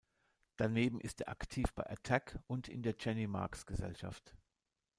Daneben ist er aktiv bei attac und in der Jenny-Marx-Gesellschaft.